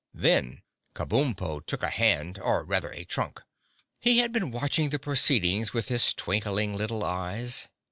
Then Kabumpo took a hand—or rather a trunk. He had been watching the proceedings with his twinkling little eyes.